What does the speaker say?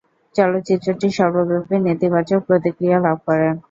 চলচ্চিত্রটি সর্বব্যাপী নেতিবাচক প্রতিক্রিয়া লাভ করে।